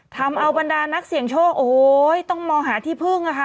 ทำเอาบรรดารของนักเสี่ยงโชคโอ้โฮต้องมองหาที่พึ่ง